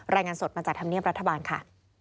รายงานสดมาจากธรรมเนียบรัฐบาลค่ะ